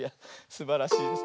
すばらしいです。